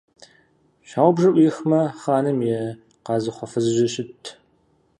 Щхьэгъубжэр Ӏуихмэ, хъаным и къазыхъуэ фызыжьыр щытт.